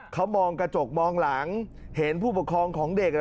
เขามองกระจกมองหลังเห็นผู้ปกครองของเด็กอ่ะ